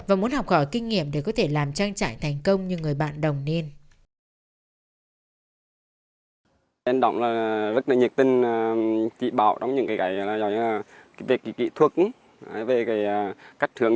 anh hồ viết quốc và anh nguyễn hiểu tường